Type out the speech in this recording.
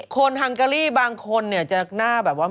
ฮังการีบางคนเนี่ยจะหน้าแบบว่า